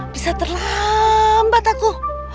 bisa terlambat aku